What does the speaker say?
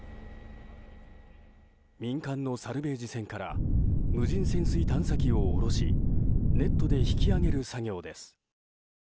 民間のサルベージ船から無人潜水探査機を下ろしネットで引き揚げる作業です。